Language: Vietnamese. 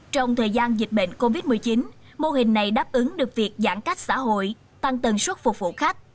trong thời gian dịch bệnh covid một mươi chín mô hình này đáp ứng được việc giãn cách xã hội tăng tầng suất phục vụ khách